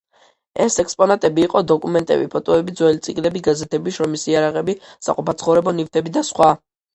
ეს ექსპონატები იყო: დოკუმენტები, ფოტოები, ძველი წიგნები, გაზეთები, შრომის იარაღები, საყოფაცხოვრებო ნივთები და სხვა.